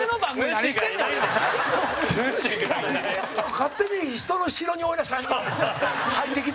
勝手に人の城に俺たち３人、入ってきて。